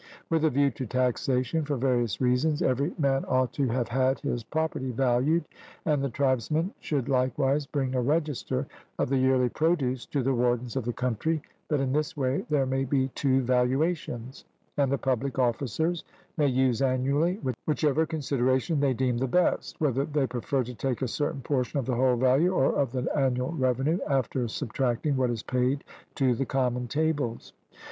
With a view to taxation, for various reasons, every man ought to have had his property valued: and the tribesmen should likewise bring a register of the yearly produce to the wardens of the country, that in this way there may be two valuations; and the public officers may use annually whichever on consideration they deem the best, whether they prefer to take a certain portion of the whole value, or of the annual revenue, after subtracting what is paid to the common tables.